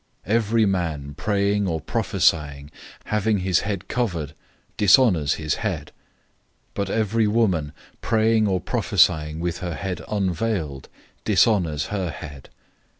011:004 Every man praying or prophesying, having his head covered, dishonors his head. 011:005 But every woman praying or prophesying with her head unveiled dishonors her head.